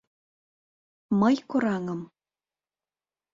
Мый кораҥым.